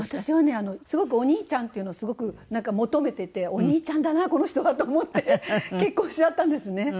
私はねすごくお兄ちゃんっていうのをすごく求めててお兄ちゃんだなこの人はと思って結婚しちゃったんですね。